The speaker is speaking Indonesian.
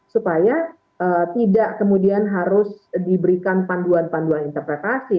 supaya tidak kemudian harus diberikan panduan panduan interpretasi